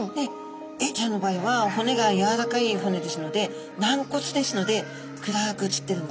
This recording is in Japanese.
エイちゃんの場合は骨がやわらかい骨ですので軟骨ですので暗く写ってるんですね。